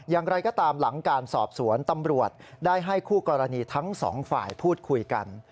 อย่างไรก็ตามหลังการสอบสวนตำรวจได้ให้คู่กรณีทั้งสองฝ่ายพูดคุยกัน